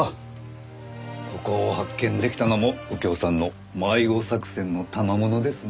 ここを発見できたのも右京さんの迷子作戦のたまものですね。